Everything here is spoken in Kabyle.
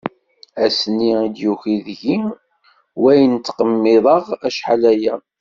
Ass-nni i d-yuki deg-i wayen ttqemmiḍeɣ achal aya.